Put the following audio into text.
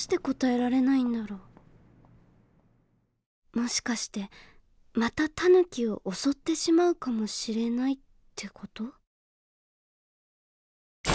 もしかしてまたタヌキを襲ってしまうかもしれないって事？